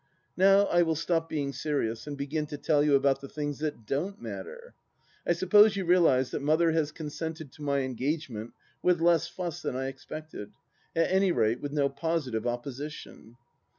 Now I will stop being serious and begin to tell you about the things that donH matter. I suppose you realize that Mother has consented to my engagement with less fuss than I expected, at any rate with no positive opposi tion.